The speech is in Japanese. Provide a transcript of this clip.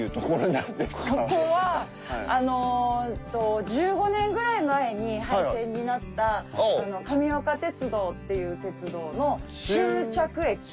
ここはあの１５年ぐらい前に廃線になった神岡鉄道っていう鉄道の終着駅。